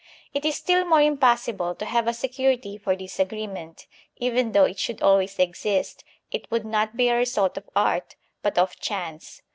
It is still more impossible to have a security for this agreement; even though it should always exist, it would not be a result of art, but of chance.